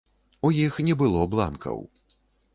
У іх не было бланкаў.